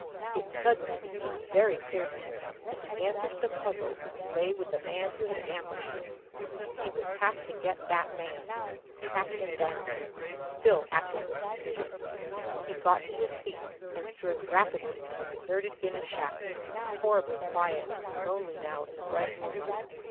It suddenly became very clear to him that the answer to the puzzle lay with the man who had ambushed him. He would have to get that man. Track him down. Phil acted with decision. He got to his feet and strode rapidly to the deserted Guinness shack, horribly quiet and lonely now in the bright moonlight.